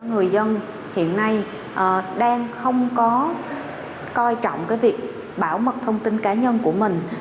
người dân hiện nay đang không có coi trọng cái việc bảo mật thông tin cá nhân của mình